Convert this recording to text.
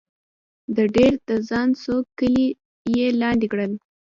د دیر د خان څو کلي یې لاندې کړل.